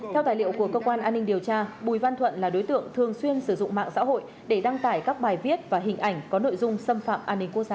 theo tài liệu của cơ quan an ninh điều tra bùi văn thuận là đối tượng thường xuyên sử dụng mạng xã hội để đăng tải các bài viết và hình ảnh có nội dung xâm phạm an ninh quốc gia